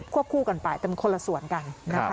ควบคู่กันไปแต่มีคนละส่วนกัน